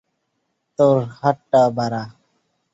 তোর হাতটা বাড়া!